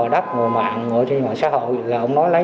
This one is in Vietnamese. đất ngồi mạng đất ngồi xã hội